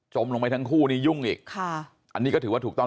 ลงไปทั้งคู่นี่ยุ่งอีกค่ะอันนี้ก็ถือว่าถูกต้อง